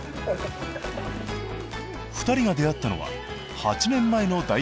２人が出会ったのは８年前の代表合宿。